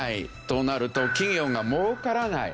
となると企業がもうからない。